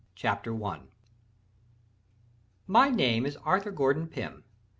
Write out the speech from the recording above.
CHAPTER 1 My name is Arthur Gordon Pym.